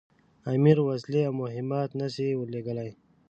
امیر وسلې او مهمات نه سي ورلېږلای.